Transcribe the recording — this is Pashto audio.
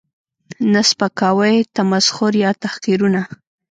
، نه سپکاوی، تمسخر یا تحقیرونه